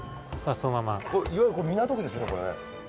いわゆるこれ港区ですよねこれね。